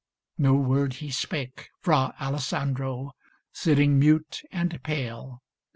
No word he spake, Fra Alessandro, sitting mute and pale.